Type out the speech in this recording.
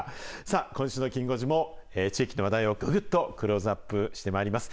今週のきん５時も、地域の話題をぐるっとクローズアップしてまいります。